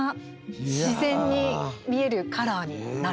自然に見えるカラーになる。